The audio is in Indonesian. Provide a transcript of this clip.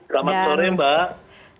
selamat sore mbak